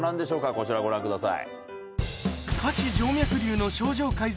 こちらをご覧ください。